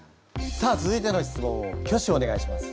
さあ続いての質問を挙手をお願いします。